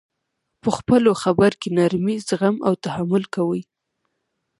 په خپلو خبر کي نرمي، زغم او تحمل کوئ!